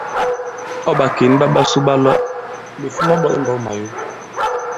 Ɔ̂ ɓàkěn ɓa ɓasu ɓa lɔ, ɓè fuma ɓɔ i mbɔ̄k i Màyo.